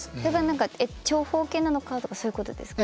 何か長方形なのかとかそういうことですか？